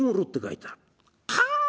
かあ！